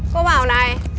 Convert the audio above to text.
cô bảo này